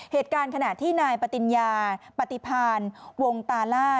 เหตุการณ์ขณะที่นายปติญญาปฏิพานวงตาล่า